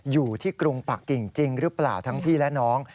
อยู่ที่กรุงปากกิ่งจริงหรือเปล่าทั้งพี่และน้อง